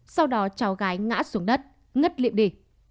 sau đó cháu gái ngã xuống đất ngất liệm đi